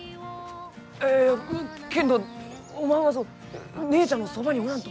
いやいやけんどおまんは姉ちゃんのそばにおらんと！